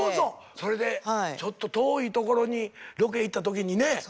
それでちょっと遠い所にロケ行った時にね